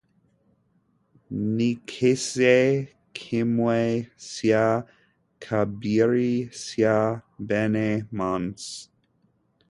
n'igice kimwe cya kabiri cya bene manase